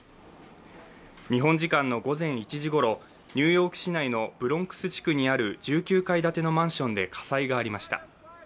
日本時間の午前１時ごろ、ニューヨーク市内のブロンクス地区にある１９階建てのマンションで火災がありました。